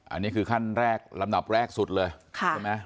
อันนี้คือขั้นแรกลำดับแรกสุดเลยใช่ไหม